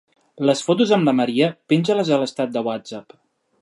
Les fotos amb la Maria, penja-les a l'estat de Whatsapp.